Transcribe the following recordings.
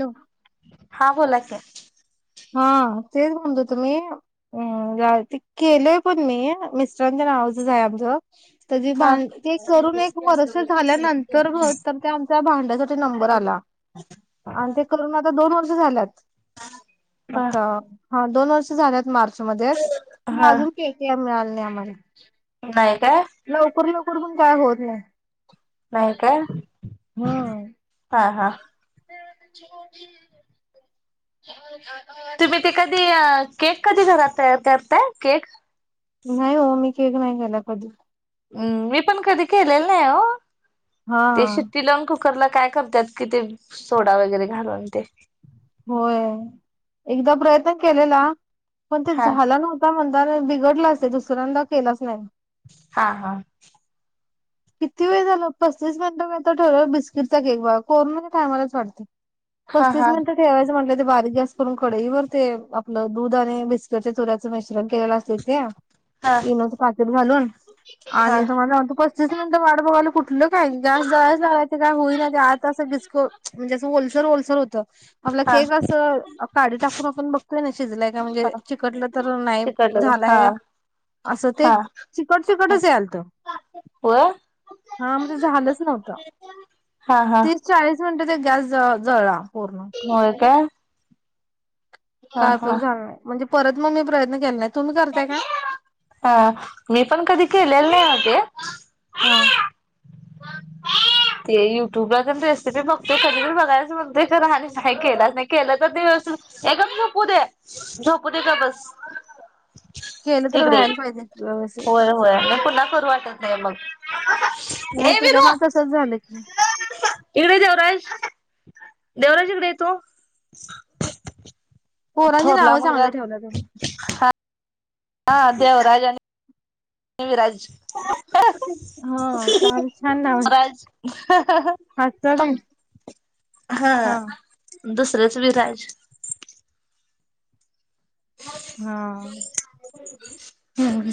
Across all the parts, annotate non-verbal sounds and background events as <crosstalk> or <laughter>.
Hello हां बोला की हा तेच म्हनंत होतो मी हम् जा ते केलंय पण मी मिस्टरांचं नावचच आहे आमचं तर ज- भ हा. -ते करून एक वर्ष झाल्यानंतर तर आमच्या भांड्यासाठी नंबर आला आणि ते करून आता दोन वर्ष झाल्यात हा आता हा दोन वर्ष झाल्यात मार्चमध्ये पण हा अजून पेट्या मिळाल नाही आमाला नाही काय? लवकर -लवकर पण काय होत नाही नाही काय हम्म हा -हा <unintelligible> हो <unintelligible> तुम्ही ते कधी केक कधी घरात तयार करताय केक? नाही हो मी केक नाही केला कधी हम्म मी पण कधी केलेलं नाही हो हा ते शिट्टी लावून कूक कूकरला काय करत्यात कि ते सोडा वगैरे घालून ते होय एकदा प्रयत्न केलेला पण ते हा झाला नव्ह <unintelligible> म्हणता बिघडला असते दुसऱ्यांदा केलाच नाही हा- हा <inaudible> किती वेळ झाल पस्तीस मिनिटं म तर ठेवलं बिस्किटचा केक बघा कोरोनाच्या टाईमालाच वाटत हा पस्तीस हा मिनिट ठेवायचं म्हटलं ते बारीक गॅस करून कडईवर ते आपलं दूध आणि बिस्किटच्या चुऱ्याचं मिश्रण केलेलं अस त्यात हा इनोच पाकीट घालून हा आणि तुम्हाला सांगतो पस्तीस मिनिटं वाट बघायलोय कुठ कुठलं काय ग गॅस जळायच लागायं काय होई नाही ते आता असं घिसको म्हणजे असं ओलसर- ओलसर होत आपला हा केक असं काढी टाकून आपण बघतोय कनी शिजलाय का म्हणजे चिकटलं तर नाही चिकटल तर हा झालाय असं ते हा चिकट- चिकटच यालत व हा मग ते झालंच नव्हतं हा हा तेच चाळीस मिनिटं ते गॅस जळ- जळला पूर्ण होय काय? काय उपयोग झाला नाही म्हणजे परत मग मी प्रयत्न केला नाही तुम्ही करताय का <unintelligible> हा मी पण कधी केलेला नाहीये तो <inaudible> हा <inaudible> <inaudible> ते युट्यूबला पण रेसिपी बघतोय कधी तर बघायच म्हणतोय खर आणि नाही केलाच नाही केलं तर ते व्यवस्थित ये गप्प झोपू दे झोपू दे गबस केलं तर व्हायला पाहिजे व्यवस्थित होय होय <inaudible> पुन्हा करू वाटत नाही मग <inaudible> नाहीतर काय विरू माझ तसंच झालं की <inaudible> इकडे देवराज- देवराज इकडेये तू पोरांची नावं चांगलं ठेवलाय तूम्ही <inaudible> हा हा देवराज आणी विराज हा <inaudible> चांग छान नाव आहेत विराज हसता काय <inaudible> हा दुसर्याच विराज हा हम्म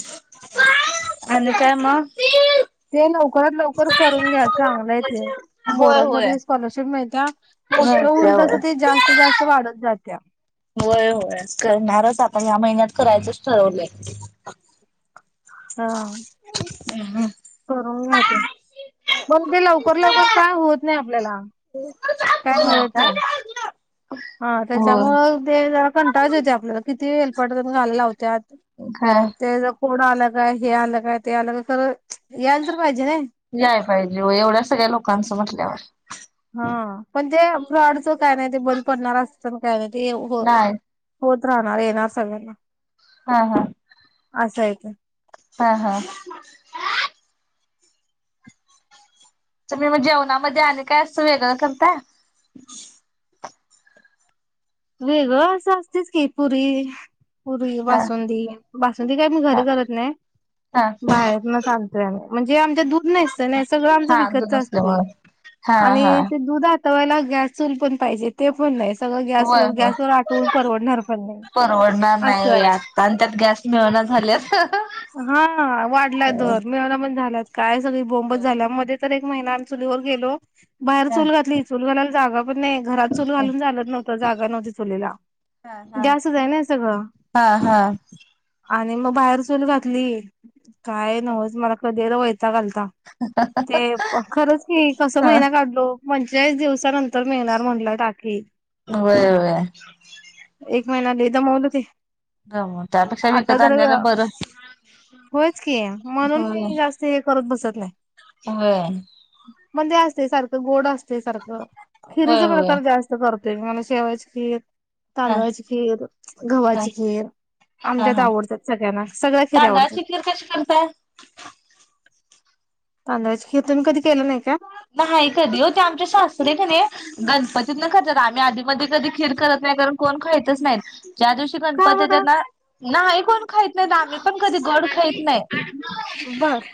<inaudible> आणि काय मग? ते लवकरात लवकर करून घ्या चांगलंय ते होय होय. मोरांसाठी स्कॉलरशिप मिळत्या मोठ होय काय होईल तस होय. ते जास्त- जास्त वाढत जात्या होय- होय करणारच आपण ह्या महिन्यात करायचंच ठरवलंय हा मम हम करून घ्या ते, पण ते लवकर लवकर काय होत नाही आपल्याला. हो काय मिळत का? नाही. हा होय. त्याच्यामुळ ते कंटाळच येतोय आपल्याला, किती हेलपाटं तर घालायला लावत्यात. काय फोड आलं काय हे आलं काय ते आलं काय, खरं यायला तर पाहिजे नाय. याय पाहिजे होय, एवढ्या सगळ्या लोकांचं म्हटल्यावर हा पण ते ब्रॉडच काय नाही ते बंद पडणार असत तर काय नाही ते नाही होत राहणार, येणार सगळ्यांना. हा हा असं येतंय. हा हा तुम्ही मग जेवणामध्ये आणि काय असं वेगळं करताय? वेगळं असं असतेच की पुरी पुरी, हा बासुंदी बासुंदी काय मी हा घरी करत नाही, हा. बाहेरूनच आण म्हणजे आमच्यात दुध नसतंय ना सगळं आमच हा विकतच दूध असतंय, असल्यामुळे हा हा आणि ते दुधात तवयला गॅस चूल पण पाहिजे ते पण नाही सगळं गॅस होय होय गॅसवर आटवून परवडणार पण नाही, परवडणार नाही असं होय आहे. आता आणि त्यात गॅस मिळना झाल्यात हा हा, वाढलाय दर मिळना पण झाल्यात, काय स बोंबच झाल्या मध्ये तर एक महिना आम्ही चुलीवर गेलो बाहेर चूल घातली चूल घालायला जागा पण नाही घरात चूल घालून चालत नव्हत जा नव्हती चुलीला, हा हा गॅसच हाय ना सगळं हा हा आणि मग बाहेर चुल घातली, काय नवत मला कधी वैताग आलता. ते खरच की कस महिना काढलो पंचेचाळीस दिवसानंतर मिळणार म्हणलं टाके. व्हय व्हय. एक महिना लय दमवलं ते. जमल त्यापेक्षा आता विकत जरा अ, आणलेलं बरं होयच की म्हणून मी जास्त ते करत बसत नाय. व्हय. म्हणजे असतेय सारखं गोड असतेय सारखं. खिरीचा होय होय प्रकार जास्त करतोय, नॉनव्ह <unintelligible> हा तांदळाची खीर, हा गव्हाची खीर, हा आमच्यात हा आवडत्यात सगळ्यांना सगळ्या खीरी आवडत्यात. तांदळाची खीर कशी करताय? तांदळाची खीर तुम्ही कधी केलं नाही का? नाही कधी ओ, ते आमचे सासरे आहे की नाय गणपतीत ना करत्यात आम्ही आधीमधी कधी खीर करत नाही, कारण कोण खायतच नाहीत. ज्या दिवशी का गणपती बरं येत्यात ना, नाही कोण खाईत नाही आम्ही पण कधी गोड खायत नाही. बर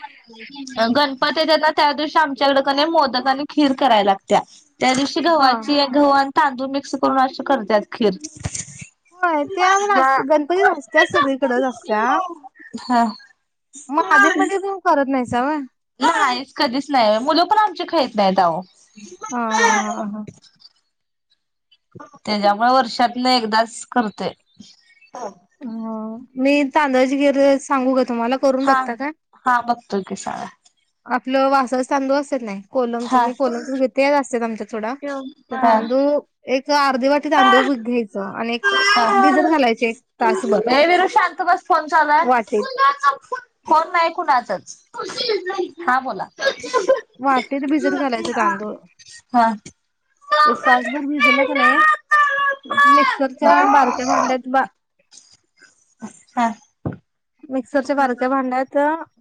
गणपती येतेत ना त्या दिवशी आमच्याकडक की नाय मोदक आणि खीर कराय लागत्या. त्या दिवशी हा गव्हाची, गहू आणि तांदूळ मिक्स करून अशी करतात खीर. होय त्या गणपतीत असत्या सगळीकडेच असत्या हा म आधी मधी पण करत नाहीसा व्हय? नाहीच कधीच नाही मुलं पण आमची खाइत नाहीत आवो. हा हा हा हा. त्याज्यामुळं वर्षातनं एकदाच करतोय. अ, मी तांदळाची खीर सांगू का तुम्हाला? करून हा. बघता का? हा बघतोय की साळा. आपलं वासाचं तांदुळ आसत्यात नाय कोलमच हा मी हा कोलमच घेते तेच असतंय आमच्यात सोडा. ते हा. तांदूळ एक अर्धी वाटी तांदूळ ब घ्यायच, आणि एक भिझत घालायचे. तासभर ए विरु शांत बस फोन चालू हाय. वाटीत कुणाचा फोन. फोन नाय कुणाचच. हा बोला. वाटीत भिजत घालायच तांदूळ. हा. हा एक तासभर भिजल क नाय, मिक्सरच्या बारक्या भांड्यात बा हा. मिक्सरच्या बारक्या भांड्यात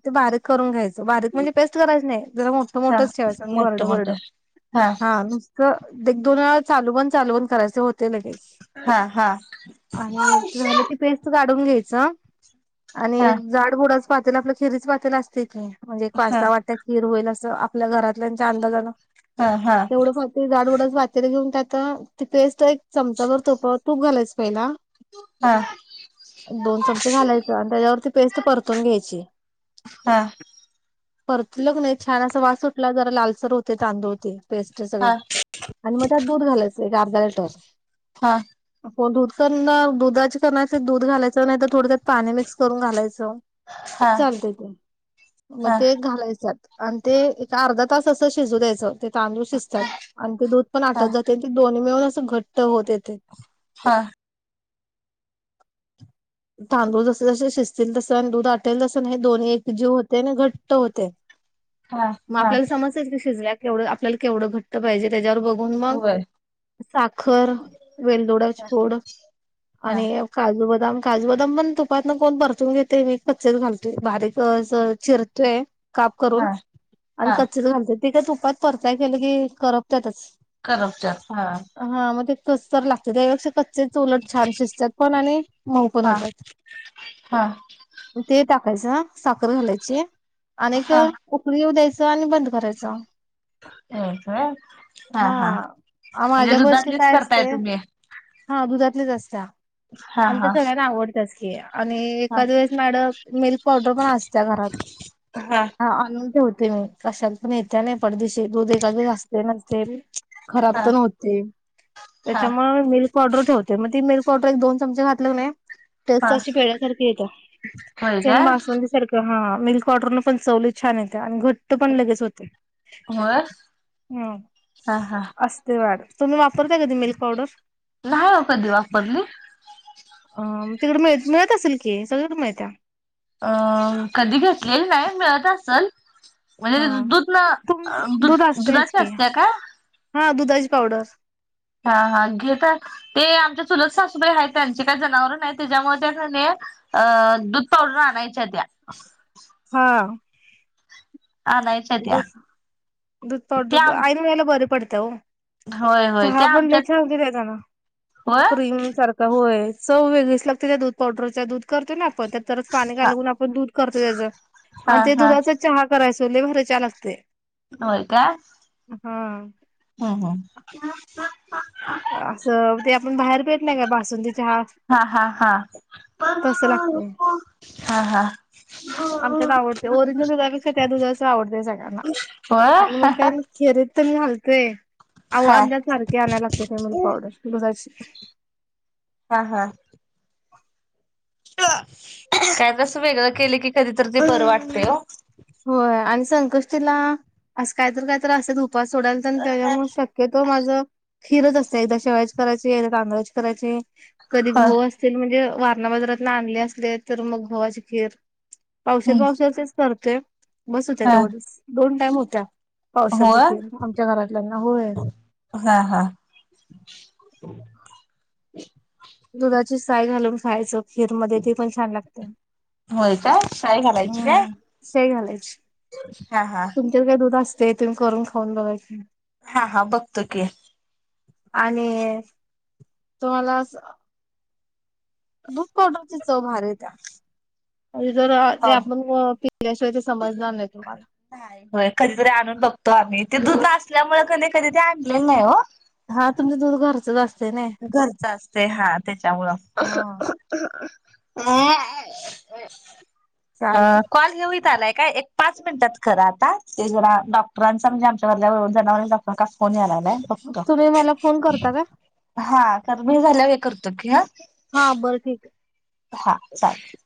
ते बारीक करून घ्यायचं. बारीक म्हणजे पेस्ट करायच नाही जरा मोठं हा मोठंच ठेवायंच मोठ बरडं बरड. मोठ हा नुसतं एक दोन वेळा चालू बंद चालू बंद करायच ते होतेय लगेच. हा हा. आणि ते झाल ती पेस्ट काढून घ्यायचं. आणि हा एक जाडबुडाच पातेल आपल्या खिरीच पातेल असते की, म्हणजे एक हा पासा वाटत खीर होईल असं आपल्या घरातल्यांच्या अंदाजान हा हा तेवढं फ त जाडबुडाच पातेलं घेऊन त्यात ती पेस्ट एक चमचा भर तो तूप घालायच पहिला. हा. दोन चमचे घालायचे. त्याच्यावर ती पेस्ट परतून घ्यायची. हा परतलग नाही छान असा वास सुटला जरा लालसर होते तांदूळ ते. पेस्ट हा सगळी, आणि मग त्यात दूध घालायचं एक अर्धा लिटर. हा हो दूध करन दुधाचे करणार असला तर दूध घालायचं नाही तर थोडं त्यात पाणी मिक्स करून घालायचं. हा चालतय ते मग हा ते घालायच्यात. आणि ते एका अर्धा तास असं शिजू द्यायचं. ते तांदूळ शिजतात आणि ते दूध पण आटत हा जात. त्यां ते दोनी मिळून असं घट्ट होत येते. हा. तांदूळ जस जस शिजतील तस आणि दूध आटेल तसं हे दोन्ही एक जीव होते आणि घट्ट होते. हा मग हा आपल्याला समजतयचं की शिजल्या केवढं आपल्याला केवढं घट तर पाहिजे. त्याच्यावर बघून मग होय साखर, वेलदोडाच फोड हा आणि काजू, बदाम काजू, बदाम पण तुपातन कोण परतून घेते मी कच्चेत घालतोय बारीक अस चिरतोय काप करून हा हा आणि कच्चच घालते त का तुपात परताय गेलं की करप त्यातच करपत्यात हा. हा मग ते कसतर लागत्यात त्यापेक्षा कच्चेच उलट छान शिजतात पण आणि मऊ पण हा होत्यात. हा ते टाकायच साखर घालायचे. आणि एक हा उकळी येऊ द्यायचं आणि बंद करायचं. एक वेळ हा म्हणजे माझ्या वर्षी दुधातलीच काय करताय असते तुम्ही हा दुधातलेच असत्या. हा आमच्या हा सगळ्यांना आवडत्याच की आणि हा एखाद वेळेस मॅड मिल्क पावडर पण असत्या घरात हा आणून ठेवते मी कशात पण येत होत्या नाही पडदिशी दूध एखाद असते नसते खराब हा पण होतय हा त्याच्यामुळे मिल्क पावडर ठेवते मग ती मिल्क पावडर एक दोन चमचे घातले क नई तेस हा अशी फेड्यासारखी येत्या, होय का सेम बासुंदी सारख. हां मिल्क पावडरपण चव लई छान येत्या, आणि घ घट्ट पण लगेच होतयं. होय ह. हा हा अस. ते वाढ तुम्ही वापरता कधी मिल्क पावडर न्हाय वो कधी वापरली. अ तिकडे मिळ मिळत असेल की सगळीकडे मिळत्या. अ कधी घेतलेल नाही मिळत असल म्हणजे हा दूध ना तुम दध दूध असतेच दुधाची की असते काय हा दुधाची पावडर. हा हा घेेत ते आमच्या चुलत सासूबाई आहेत त्यांचे काय जनावर नाही त्याच्यामुळे त्यां क नई अ दूध पावडर आणायच्या त्या. हा. आणायच्या त्या दूध. दूध ते पावडर आम आईन वेळेला बरं पडत्या ओ. होय होय चहा ते पण लई आमच्यात छान होतोयं <unintelligible> ताना होय क्रीम सार होय. चव वेगळीच लागत्या दूध पावडरचा दूध करतोय ना आपण तरच पाणी हा घालवून आपण दूध करतो त्याच हा आणि ते हा दुधाच चहा करायचो लई भारी चहा लागतोयं. होय का? हा. हम्म हम्. असं ते आपण बाहेर पेत नाही का बासुंदी चहा हा, हा, हा, तसं लागते हा, हा. आमच्यात आवडते ओरिजिनल दुधापेक्षा त्या दुधाच आवडतय सगळ्यांना आणि मग हा हा काय - - खिरीत तेन घालतोय. आव, आमच्यात सारखी आणायला लागते मला पावडर दुधाची. हां हां <unintelligible> काय तर असं वेगळं केलं की कधीतरी ते बरं वाटतय हो. होय आणि संकष्टीला असं कायतर कायतर असत्यात उपवास सोडायला तर त्याच्यामुळे शक्य तो माझं खिरच असतयं. एकदा शेवयाच करायची. एकदा तांदळाची करायची. कधी होय हम्म गहु अस असेल म्हणजे वारणा बाजारात आणले असले तर, मग गव्हाची खीर पावशेर पावशेरचेच करतोय. बस होत्या हा तेवढ्याच दोन टाइम होत्यात. पावसाची होय खिर आमच्या घरातल्यांना होय. हां हां दुधाची साय घालून खायचं खीरमध्ये. ते पण छान लागतय. होय काय शाही घालायची काय? साय घालायची हां हां. <unintelligible> दूध असतयं तेन करून खावुन बघायची. हा. हा. बघतो की. आणि तुम्हाला असं- - दूप पावडरची चव भारी येत्या. आणि जर ते हो आपण पिल्याशिवाय ते समजणार नाही तुम्हाला. नाही होय कधीतरी आणून बघतो आम्ही ते दूध असल्यामुळे कधी ते आणले नाही ओ. हा तुमचं दुध घरचच अस घरच असतयं हा त्याच्यामुळं. <inaudible> हा ह. चालते कॉल हेऊत आलाय काय? एक पाच मिनिटात करां आता ते जरा डॉक्टरांचा म्हणजे आमच्या <unintelligible> जनावरांचा डॉक् <unintelligible> कास फोन या लागलाय. बघतो तुम्ही मला फोन करता काय? हा स मी झाल्या व करतो की ह. हा बरं ठीक कय. हा चालेल.